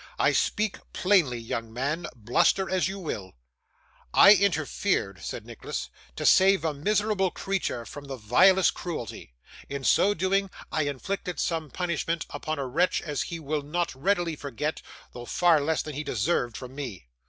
'I speak plainly, young man, bluster as you will.' 'I interfered,' said Nicholas, 'to save a miserable creature from the vilest cruelty. In so doing, I inflicted such punishment upon a wretch as he will not readily forget, though far less than he deserved from me.